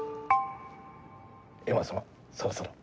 閻魔様そろそろ。